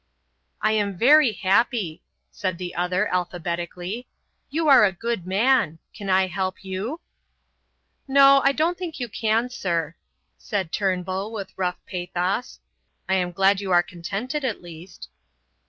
"I am very happy," said the other, alphabetically. "You are a good man. Can I help you?" "No, I don't think you can, sir," said Turnbull with rough pathos; "I am glad you are contented at least."